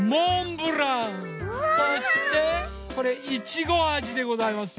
そしてこれいちごあじでございますよ。